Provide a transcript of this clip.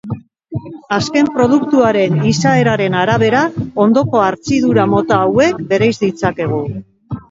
Azken produktuaren izaeraren arabera ondoko hartzidura-mota hauek bereiz ditzakegu.